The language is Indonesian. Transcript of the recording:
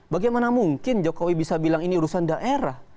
bagaimana mungkin jokowi bisa bilang ini urusan daerah